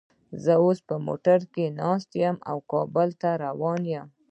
زه اوس په موټر کې ناست یم او کابل ته روان یم